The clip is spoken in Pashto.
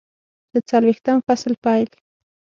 د څلویښتم فصل پیل